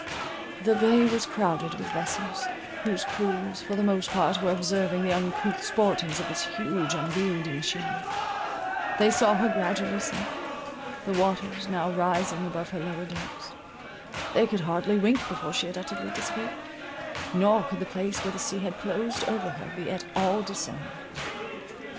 The bay was crowded with vessels, whose crews, for the most part, were observing the uncouth sportings of this huge unwieldy machine—they saw her gradually sink; the waters now rising above her lower decks—they could hardly wink before she had utterly disappeared, nor could the place where the sea had closed over her be at all discerned.